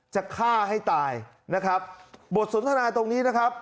จะฆ่าให้ตายนะครับบทสนทนาตรงนี้นะครับ